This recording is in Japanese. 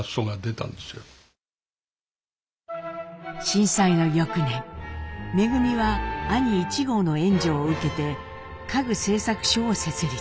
震災の翌年恩は兄壹号の援助を受けて家具製作所を設立。